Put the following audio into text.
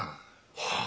はあ